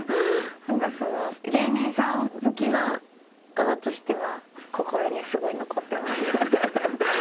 なんかその芸人さん好きな側としては心にすごい残ってます。